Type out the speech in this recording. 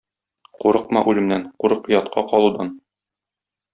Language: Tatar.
Курыкма үлемнән, курык оятка калудан!